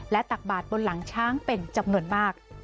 ตักบาดบนหลังช้างเป็นจำนวนมาก